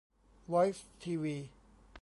'วอยซ์ทีวี'